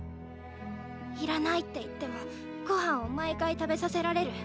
いらないって言ってもご飯を毎回食べさせられる。